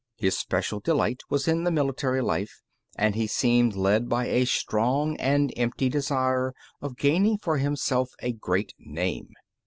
His special delight was in the military life, and he seemed led by a strong and empty desire of gaining for himself a great name.